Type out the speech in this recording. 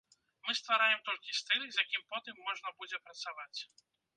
Мы ствараем толькі стыль, з якім потым можна будзе працаваць.